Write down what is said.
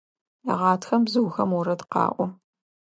Гъатхэм бзыухэм орэд къаӏо.